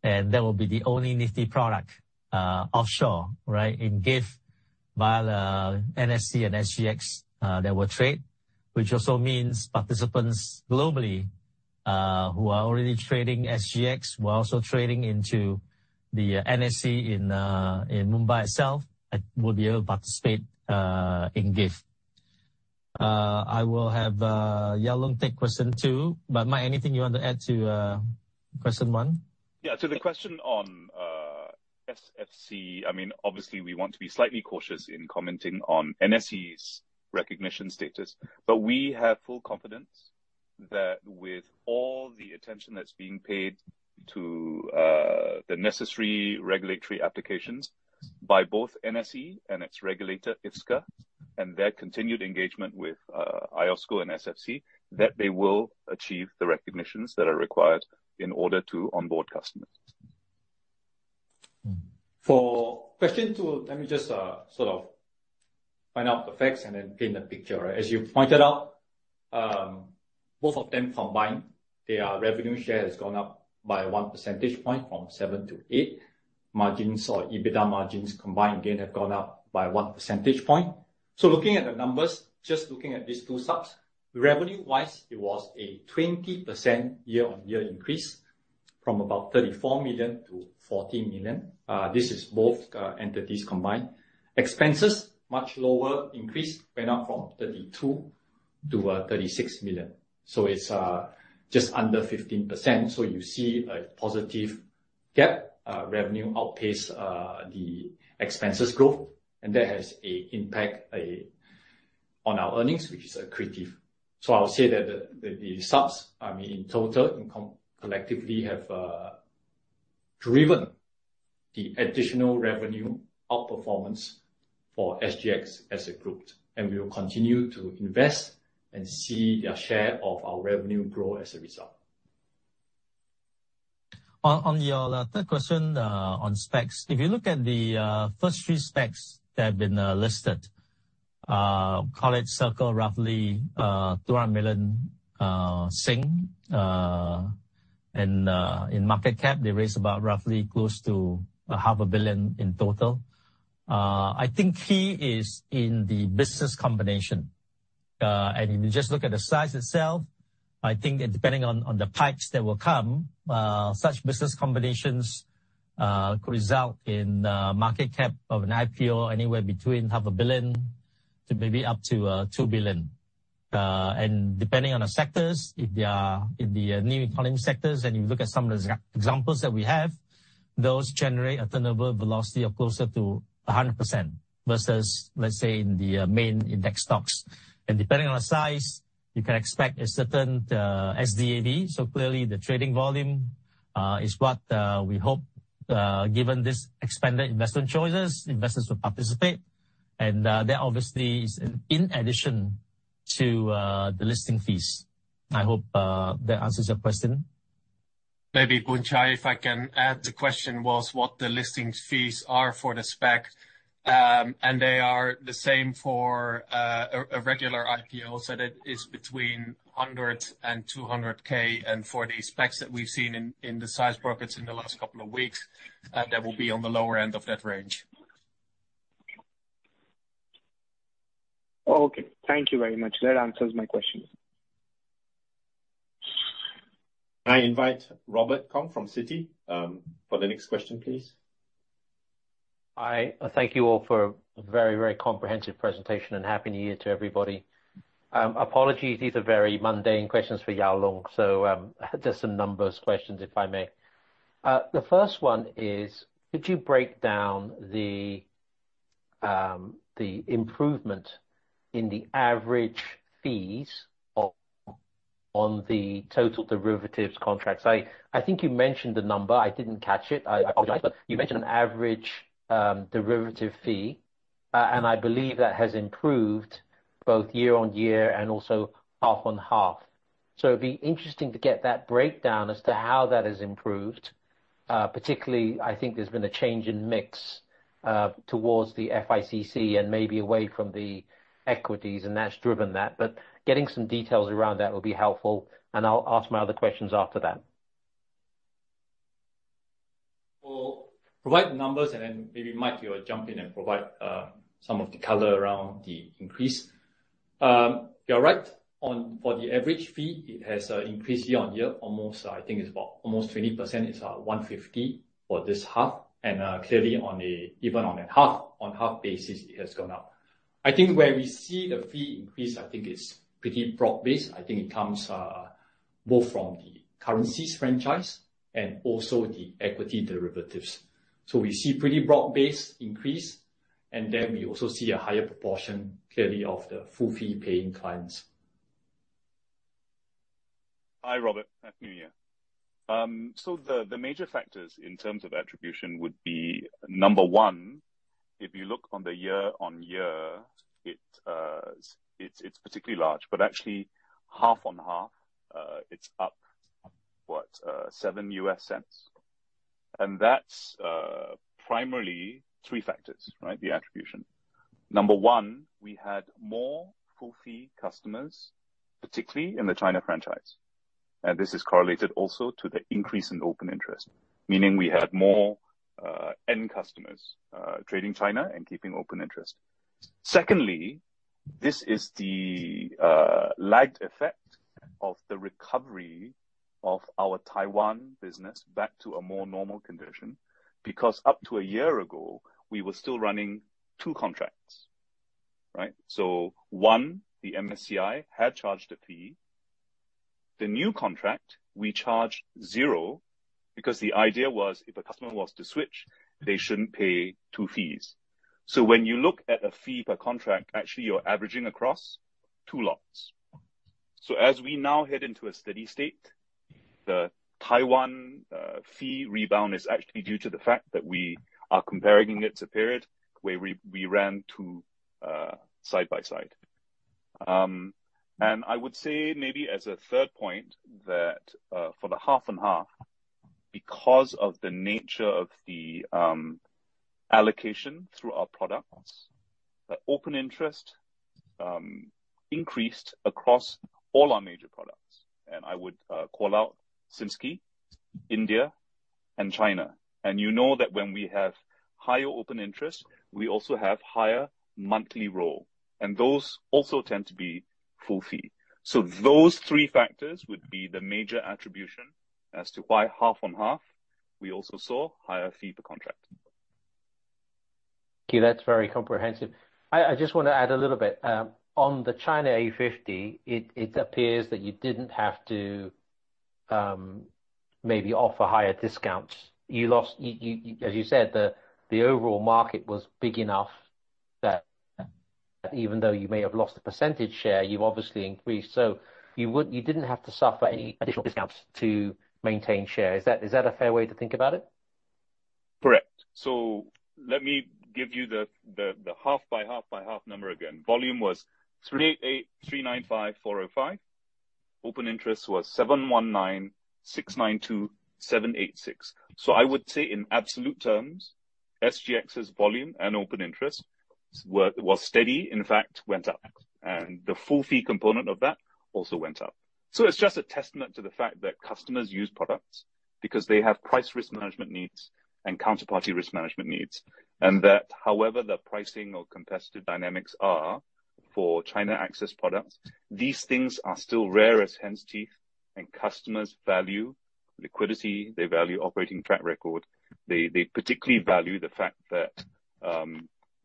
will be the only Nifty product offshore, right, in GIFT via the NSE and SGX that will trade which also means participants globally who are already trading SGX, who are also trading into the NSE in Mumbai itself, will be able to participate in GIFT. I will have Ng Yao Loong take question two, but Mike, anything you want to add to question one? Yeah. To the question on SFC, I mean, obviously, we want to be slightly cautious in commenting on NSE's recognition status. We have full confidence that with all the attention that's being paid to the necessary regulatory applications by both NSE and its regulator IFSC, and their continued engagement with IOSCO and SFC, that they will achieve the recognitions that are required in order to onboard customers. For question two, let me just find out the facts and then paint the picture. As you pointed out both of them combined, their revenue share has gone up by one percentage point from 7% to 8%. Margins or EBITDA margins combined again have gone up by one percentage point. Looking at the numbers, just looking at these two subs, revenue-wise, it was a 20% year-on-year increase from about 34 million to 40 million. This is both entities combined. Expenses, much lower increase, went up from 32 million to 36 million. It's just under 15%. You see a positive gap, revenue outpace the expenses growth and that has an impact on our earnings which is accretive. I'll say that the subs, I mean in total, collectively have driven the additional revenue outperformance for SGX as a group. We will continue to invest and see their share of our revenue grow as a result. Your third question, on SPACs, if you look at the first three SPACs that have been listed, call it roughly 200 million and in market cap, they raised about roughly close to half a billion in total. I think key is in the business combination. If you just look at the size itself, I think depending on the PIPEs that will come, such business combinations could result in market cap of an IPO anywhere between half a billion to maybe up to 2 billion. Depending on the sectors, if they are in the new economy sectors and you look at some of the examples that we have, those generate a turnover velocity of closer to 100% versus, let's say, in the main index stocks. Depending on the size, you can expect a certain SDAV. Clearly the trading volume is what we hope, given this expanded investment choices, investors will participate. That obviously is in addition to the listing fees. I hope that answers your question. Maybe Boon Chye, if I can add, the question was what the listing fees are for the SPAC. They are the same for a regular IPO, so that is between 100,000 to 200,000. For the SPACs that we've seen in the size brackets in the last couple of weeks, that will be on the lower end of that range. Okay. Thank you very much. That answers my question. Can I invite Robert Kong from Citi for the next question, please? Hi. Thank you all for a very, very comprehensive presentation and Happy New Year to everybody. Apologies, these are very mundane questions for Ng Yao Loong. Just some numbers questions, if I may. The first one is, could you break down the improvement in the average fees on the total derivatives contracts. I think you mentioned the number, I didn't catch it. I apologize, but you mentioned average derivative fee and I believe that has improved both year-on-year and also half-on-half. It'd be interesting to get that breakdown as to how that has improved. Particularly, I think there's been a change in mix towards the FICC and maybe away from the equities, and that's driven that. Getting some details around that would be helpful and I'll ask my other questions after that. We'll provide the numbers and then maybe Mike, you'll jump in and provide some of the color around the increase. You're right on for the average fee, it has increased year-on-year almost. I think it's about almost 20%. It's 150 for this half, and clearly even on a half-on-half basis, it has gone up. I think where we see the fee increase, I think it's pretty broad-based. I think it comes both from the currencies franchise and also the equity derivatives. We see pretty broad-based increase and then we also see a higher proportion clearly of the full fee paying clients. Hi, Robert. Afternoon. The major factors in terms of attribution would be, number one, if you look year-on-year, it's particularly large, but actually half-on-half, it's up what seven US cents. That's primarily three factors, right? The attribution. Number one, we had more full fee customers, particularly in the China franchise. This is correlated also to the increase in open interest, meaning we had more end customers trading China and keeping open interest. Secondly, this is the lagged effect of the recovery of our Taiwan business back to a more normal condition because up to a year ago, we were still running two contracts, right? One, the MSCI had charged a fee. The new contract, we charged zero because the idea was if a customer was to switch, they shouldn't pay two fees. When you look at a fee per contract, actually you're averaging across two lots. As we now head into a steady state, the Taiwan fee rebound is actually due to the fact that we are comparing it to a period where we ran two side by side. I would say maybe as a third point, that for the half and half, because of the nature of the allocation through our products, the open interest increased across all our major products. I would call out SiMSCI, India and China. You know that when we have higher open interest, we also have higher monthly roll and those also tend to be full fee. Those three factors would be the major attribution as to why half on half, we also saw higher fee per contract. Okay, that's very comprehensive. I just wanna add a little bit. On the China A50, it appears that you didn't have to maybe offer higher discounts. As you said, the overall market was big enough that even though you may have lost a percentage share, you've obviously increased. You didn't have to suffer any additional discounts to maintain share. Is that a fair way to think about it? Correct. Let me give you the half-by-half number again. Volume was 388,395,405. Open interest was 719,692,786. I would say in absolute terms, SGX's volume and open interest were steady, in fact went up and the full fee component of that also went up. It's just a testament to the fact that customers use products because they have price risk management needs and counterparty risk management needs. That however the pricing or competitive dynamics are for China access products, these things are still rare as hen's teeth and customers value liquidity, they value operating track record. They particularly value the fact that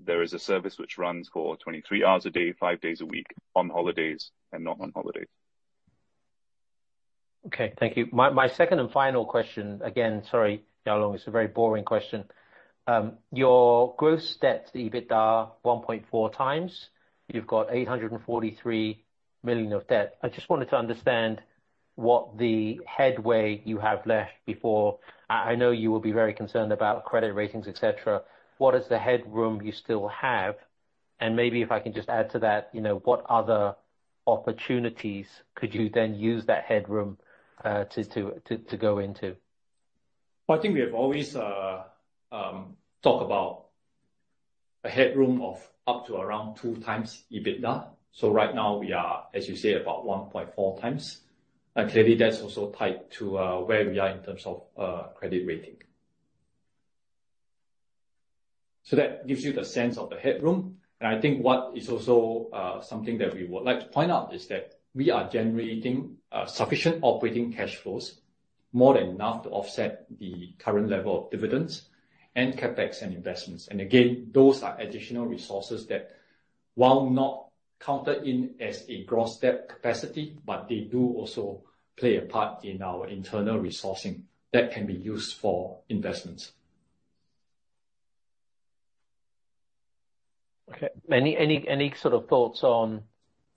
there is a service which runs for 23 hours a day, five days a week on holidays and not on holidays. Okay. Thank you. My second and final question, again, sorry, Ng Yao Loong, it's a very boring question. Your gross debt to EBITDA 1.4x, you've got 843 million of debt. I just wanted to understand what the headway you have left. I know you will be very concerned about credit ratings, et cetera. What is the headroom you still have? And maybe if I can just add to that, you know, what other opportunities could you then use that headroom to go into? I think we have always talk about a headroom of up to around 2x EBITDA. Right now we are, as you say, about 1.4x. Clearly that's also tied to where we are in terms of credit rating. That gives you the sense of the headroom. I think what is also something that we would like to point out is that we are generating sufficient operating cash flows more than enough to offset the current level of dividends and CapEx and investments. Again, those are additional resources that. While not counted in as a gross debt capacity but they do also play a part in our internal resourcing that can be used for investments. Okay. Any thoughts on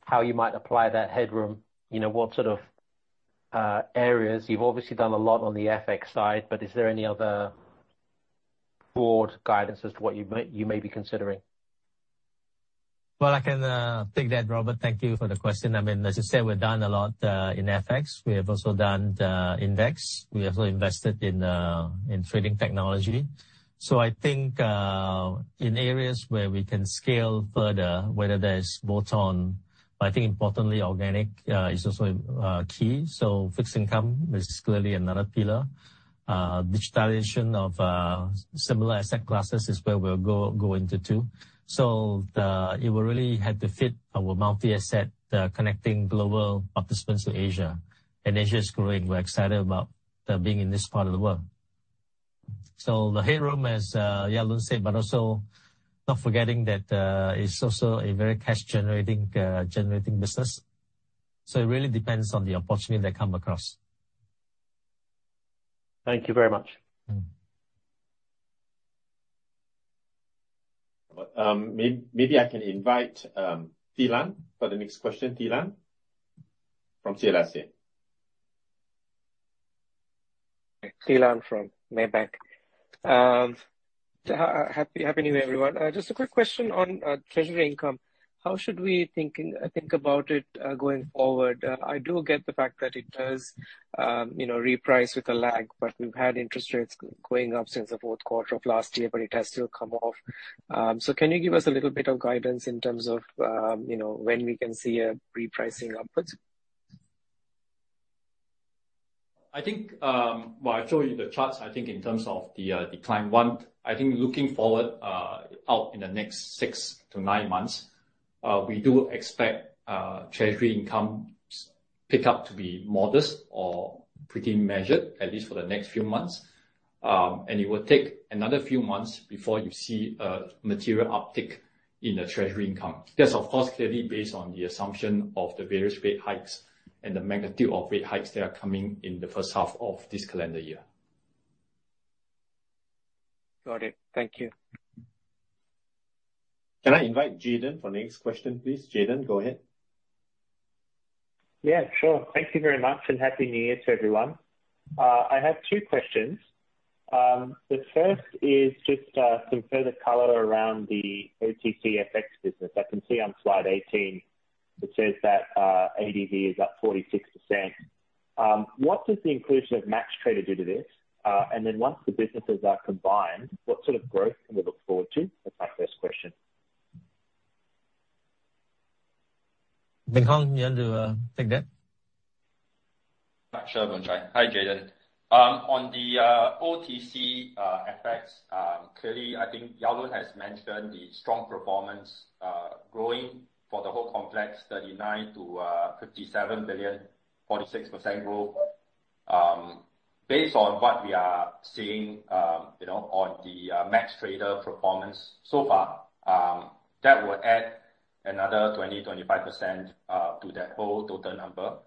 how you might apply that headroom? You know, what sort of areas? You've obviously done a lot on the FX side but is there any other broad guidance as to what you may be considering? Well, I can take that, Robert. Thank you for the question. I mean, as you said, we've done a lot in FX. We have also done the Index. We have also invested in Trading technology. I think in areas where we can scale further whether that is bolt-on but I think importantly, organic is also key. Fixed Income is clearly another pillar. Digitalization of similar asset classes is where we'll go into too. It will really have to fit our multi-asset connecting global participants to Asia. Asia is growing. We're excited about being in this part of the world. The headroom, as Yao Loong said, but also not forgetting that it's also a very cash generating business. It really depends on the opportunity they come across. Thank you very much. Mm-hmm. Maybe I can invite Thilan for the next question. Thilan from CLSA. Thilan from Maybank. Happy new year, everyone. Just a quick question on Treasury Income. How should we think about it going forward? I do get the fact that it does you know reprice with a lag but we've had interest rates going up since the fourth quarter of last year but it has still come off. Can you give us a little bit of guidance in terms of you know when we can see a repricing upwards? I think, well, I show you the charts. I think in terms of the decline. One, I think looking forward out in the next six to nine months, we do expect Treasury Income pick-up to be modest or pretty measured, at least for the next few months. It will take another few months before you see a material uptick in the treasury income. That's of course clearly based on the assumption of the various rate hikes and the magnitude of rate hikes that are coming in the first half of this calendar year. Got it. Thank you. Can I invite Jayden for the next question, please? Jayden, go ahead. Yeah, sure. Thank you very much, and Happy New Year to everyone. I have two questions. The first is just some further color around the OTC FX business. I can see on slide 18 it says that ADV is up 46%. What does the inclusion of MaxxTrader do to this? And then once the businesses are combined, what sort of growth can we look forward to? That's my first question. Beng Hong, you want to take that? Sure, Boon Chan. Hi, Jayden. On the OTC FX, clearly, I think Yao Loong has mentioned the strong performance, growing for the whole complex, 39 billion to $57 billion, 46% growth. Based on what we are seeing, you know, on the MaxxTrader performance so far, that will add another 20%/25% to that whole total number,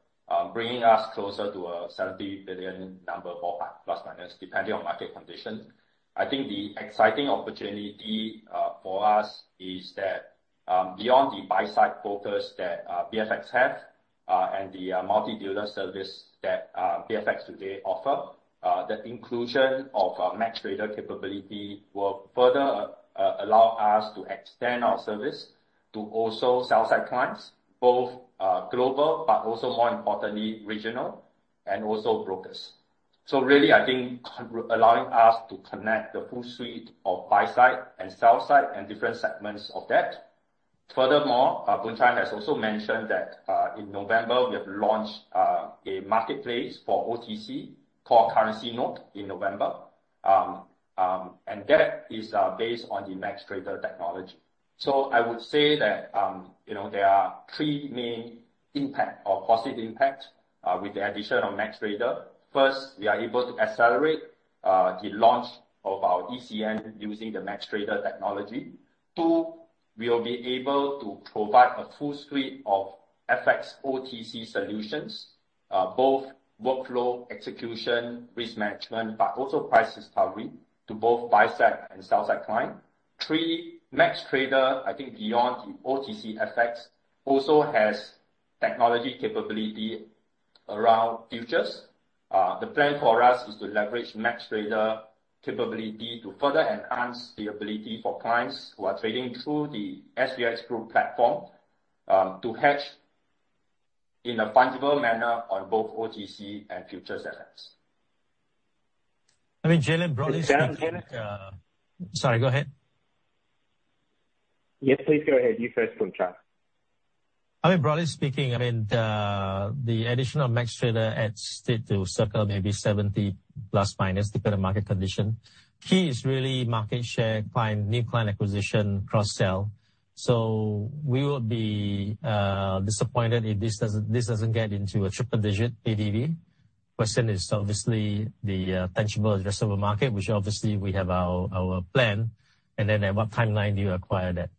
bringing us closer to a $70 billion number ±, depending on market conditions. I think the exciting opportunity for us is that, beyond the buy side brokers that BidFX have and the multi-dealer service that BidFX today offer, the inclusion of MaxxTrader capability will further allow us to extend our service to also sell side clients both global, but also more importantly, regional and also brokers. Really, I think allowing us to connect the full suite of buy side and sell side and different segments of that. Furthermore, Boon Chye has also mentioned that in November, we have launched a marketplace for OTC called CurrencyNode in November. And that is based on the MaxxTrader technology. I would say that you know, there are three main impact or positive impact with the addition of MaxxTrader. First, we are able to accelerate the launch of our ECN using the MaxxTrader technology. Two, we will be able to provide a full suite of FX OTC solutions both workflow, execution, risk management but also price discovery to both buy side and sell side client. Three, MaxxTrader, I think beyond the OTC FX, also has technology capability around futures. The plan for us is to leverage MaxxTrader capability to further enhance the ability for clients who are trading through the SGX Group platform to hedge in a fungible manner on both OTC and futures FX. I mean, Jayden, broadly speaking. Yeah. Sorry, go ahead. Yes, please go ahead. You first, Loh Boon Chye. I mean, broadly speaking, the addition of MaxxTrader adds circa 70 plus, minus, depending on market condition. Key is really market share, client, new client acquisition, cross-sell. We will be disappointed if this doesn't get into a triple digit ADV. Question is obviously the tangible addressable market, which obviously we have our plan, and then at what timeline do you acquire that?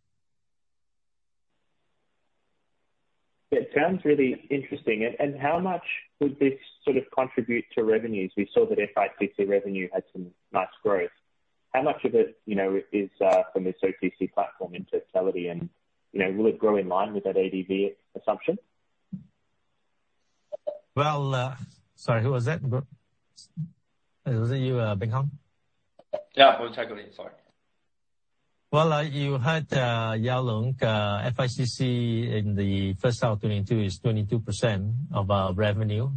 It sounds really interesting. How much would this sort of contribute to revenues? We saw that FICC revenue had some nice growth. How much of it, you know, is from this OTC platform in totality and, you know, will it grow in line with that ADV assumption? Well, sorry, who was that? Was that you, Beng Hong? Yeah. Loh Boon Chye, sorry. Well, you heard Ng Yao Loong, FICC in the first half 2022 is 22% of our revenue.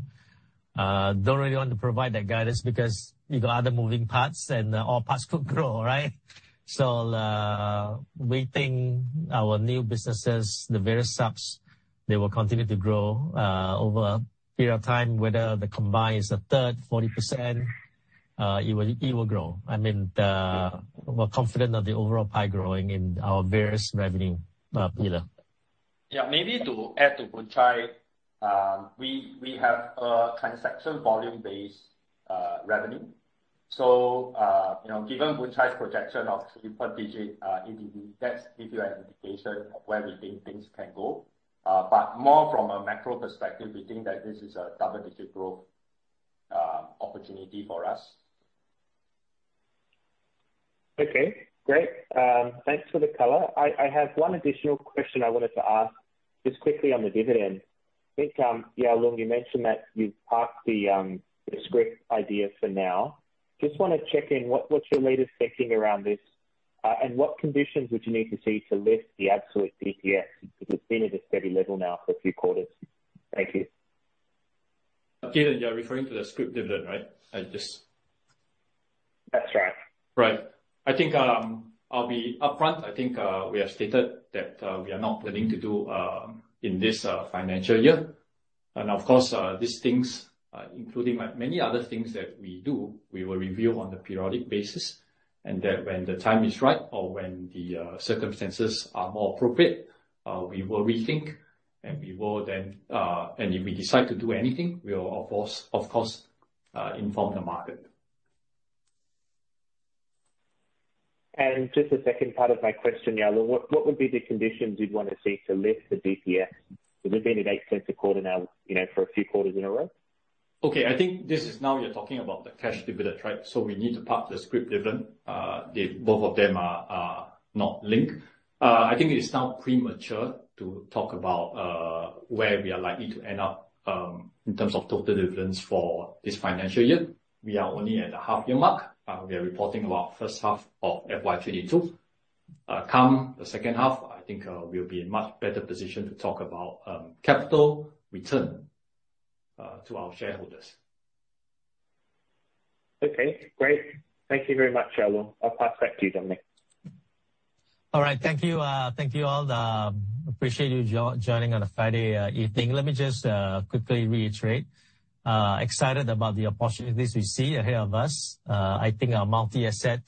Don't really want to provide that guidance because you got other moving parts and all parts could grow, right? We think our new businesses, the various subs, they will continue to grow over a period of time whether the combined is a 1/3, 40%, it will grow. I mean, we're confident of the overall pie growing in our various revenue pillar. Yeah. Maybe to add to Boon Chye, we have a transaction volume-based revenue. You know, given Boon Chye projection of triple digit ADV, that should give you an indication of where we think things can go. More from a macro perspective, we think that this is a double-digit growth opportunity for us. Okay. Great. Thanks for the color. I have one additional question I wanted to ask just quickly on the dividend. I think, Ng Yao Loong, you mentioned that you've parked the scrip idea for now. Just wanna check in, what's your latest thinking around this? What conditions would you need to see to lift the absolute DPS, because it's been at a steady level now for a few quarters? Thank you. Okay. You're referring to the scrip dividend, right? That's right. Right. I think, I'll be upfront. I think, we have stated that, we are not planning to do, in this, financial year. Of course, these things including many other things that we do, we will review on a periodic basis. That when the time is right or when the circumstances are more appropriate, we will rethink and we will then. If we decide to do anything, we will of course of course, inform the market. Just the second part of my question, Ng Yao Loong, what would be the conditions you'd wanna see to lift the DPS? Because we've been at 0.08 a quarter now, you know, for a few quarters in a row? Okay. I think this is now you're talking about the cash dividend, right? We need to park the scrip dividend. The both of them are not linked. I think it is now premature to talk about where we are likely to end up in terms of total dividends for this financial year. We are only at the half year mark. We are reporting about first half of FY 2022. Come the second half, I think we'll be in much better position to talk about capital return to our shareholders. Okay. Great. Thank you very much, Ng Yao Loong. I'll pass back to you, Dominic. All right. Thank you all. Appreciate you joining on a Friday evening. Let me just quickly reiterate. Excited about the opportunities we see ahead of us. I think our multi-asset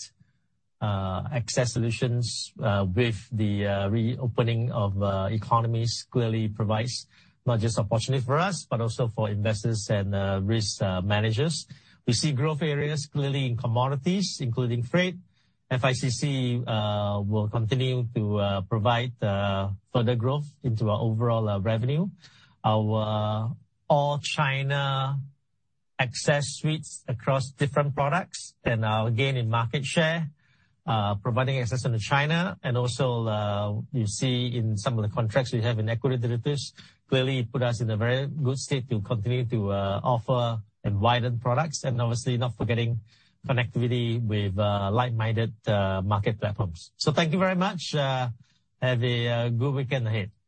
access solutions with the reopening of economies clearly provides not just opportunity for us but also for investors and risk managers. We see growth areas clearly in commodities including freight. FICC will continue to provide further growth into our overall revenue. Our all China access suites across different products and our gain in market share providing access into China and also you see in some of the contracts we have in equity derivatives, clearly put us in a very good state to continue to offer and widen products and obviously not forgetting connectivity with like-minded market platforms. Thank you very much. Have a good weekend ahead.